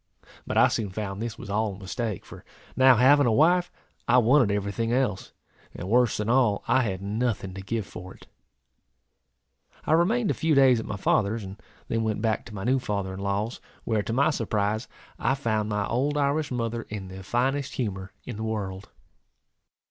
But I soon found this was all a mistake for now having a wife, I wanted every thing else; and, worse than all, I had nothing to give for it. I remained a few days at my father's, and then went back to my new father in law's; where, to my surprise, I found my old Irish mother in the finest humour in the world.